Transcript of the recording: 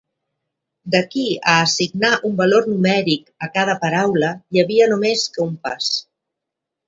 D'aquí a assignar un valor numèric a cada paraula hi havia només que un pas.